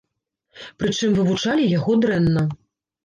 Прычым вывучалі яго дрэнна.